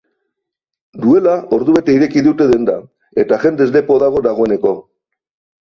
Duela ordubete ireki dute denda, eta jendez lepo dago dagoeneko